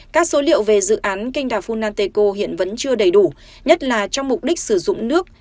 các số liệu về dự án canh đảo funanteko hiện vẫn chưa đầy đủ nhất là trong mục đích sử dụng nước